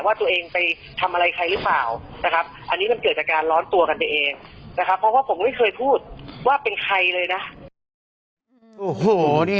ว่าตัวเองไปทำอะไรใครหรือเปล่านะครับอันนี้มันเกิดจากการร้อนตัวกันเองนะครับ